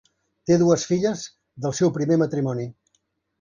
Té dues filles del seu primer matrimoni.